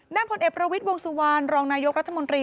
นามพลเอปรวิทวงศ์สุวรรณรองนายกรรถมนตรี